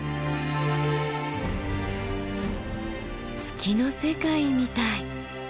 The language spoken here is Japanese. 月の世界みたい。